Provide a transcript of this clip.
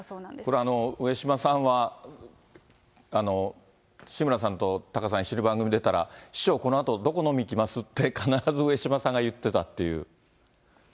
これ、上島さんは、志村さんとタカさん、一緒に番組出たら、師匠、このあと、どこ飲み行きます？って、必ず上島さんが言ってたっていう。